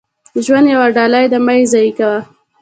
• ژوند یوه ډالۍ ده، مه یې ضایع کوه.